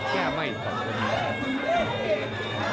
แก้ไหมของคนนี้